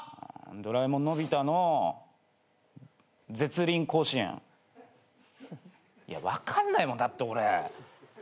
『ドラえもんのび太の絶倫甲子園』いや分かんないもんだって俺。